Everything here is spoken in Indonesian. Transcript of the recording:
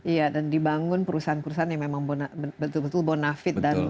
iya dan dibangun perusahaan perusahaan yang memang betul betul bonafit